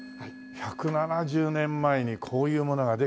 １７０年前にこういうものができてんですよ。